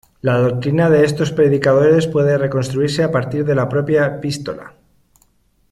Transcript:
La doctrina de estos predicadores puede reconstruirse a partir de la propia epístola.